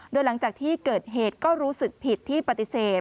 โดยหลังจากที่เกิดเหตุก็รู้สึกผิดที่ปฏิเสธ